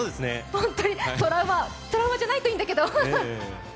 ホントに、トラウマトラウマじゃないといいんだけど。